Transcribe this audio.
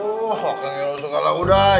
wah oke ngilu suka lah udah